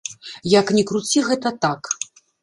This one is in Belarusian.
Як ні круці, гэта так.